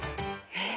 えっ？